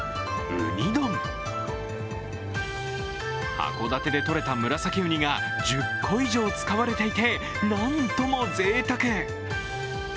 函館でとれたムラサキウニが１０個以上使われていてなんともぜいたく。